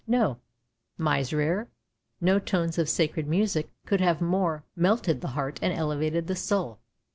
No Miserere, no tones of sacred music, could more have melted the heart and elevated the soul.